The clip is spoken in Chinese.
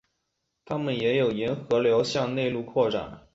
它们也有沿河流向内陆扩展。